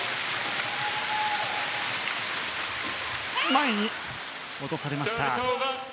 前に落とされました。